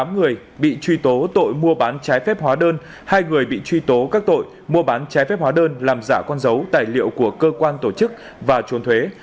tám người bị truy tố tội mua bán trái phép hóa đơn hai người bị truy tố các tội mua bán trái phép hóa đơn làm giả con dấu tài liệu của cơ quan tổ chức và trốn thuế